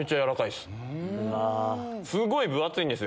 すごい分厚いんですよ。